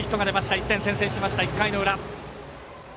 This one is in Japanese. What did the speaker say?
１点先制しました、１回の裏。